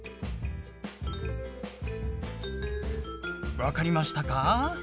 分かりましたか？